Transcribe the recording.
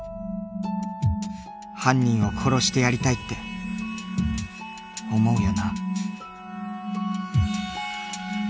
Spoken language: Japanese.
犯人を殺してやりたいって思うよな。